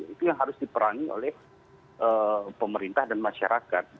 itu yang harus diperangi oleh pemerintah dan masyarakat